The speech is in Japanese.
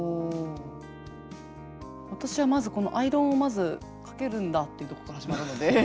私はまずアイロンをかけるんだっていうところから始まるので。